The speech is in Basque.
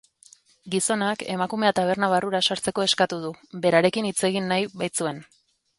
Gizonak emakumea taberna barrura sartzeko eskatu du, berarekin hitz egin nahi baitzuen.